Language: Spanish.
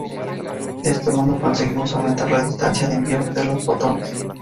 De este modo, conseguimos aumentar la distancia de envío de los fotones.